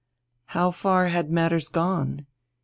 How far had matters gone?